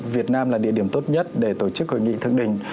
việt nam là địa điểm tốt nhất để tổ chức hội nghị thượng đỉnh